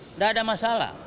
tidak ada masalah